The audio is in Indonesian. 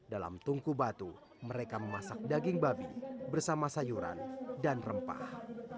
dalam tungku batu mereka memasak daging babi bersama sayuran dan rempah